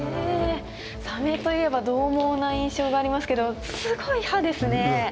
サメといえばどう猛な印象がありますけどすごい歯ですね。